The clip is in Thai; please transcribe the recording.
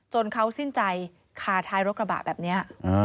เขาสิ้นใจคาท้ายรถกระบะแบบนี้